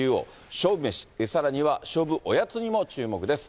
勝負メシ、さらには勝負おやつにも注目です。